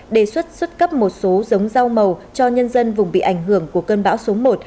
đề xuất xuất cấp một số giống rau màu cho nhân dân vùng bị ảnh hưởng của cơn bão số một